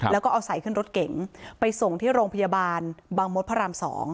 แล้วก็เอาใส่ขึ้นรถเก๋งไปส่งที่โรงพยาบาลบางมดพระราม๒